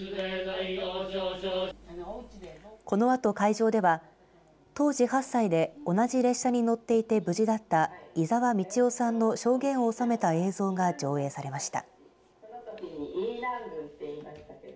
このあと会場では当時８歳で同じ列車に乗っていて無事だった伊沢径世さんの証言を収めた映像が上映されました。